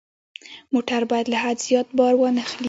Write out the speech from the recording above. موټر باید له حد زیات بار وانه خلي.